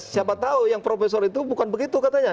siapa tahu yang profesor itu bukan begitu katanya